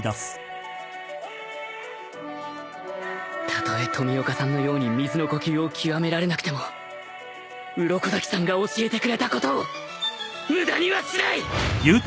たとえ冨岡さんのように水の呼吸を極められなくても鱗滝さんが教えてくれたことを無駄にはしない！！